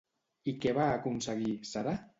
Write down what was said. I què va aconseguir, Sara?